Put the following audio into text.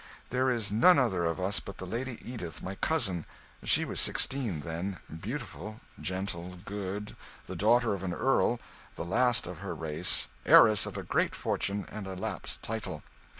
There is none other of us but the Lady Edith, my cousin she was sixteen then beautiful, gentle, good, the daughter of an earl, the last of her race, heiress of a great fortune and a lapsed title.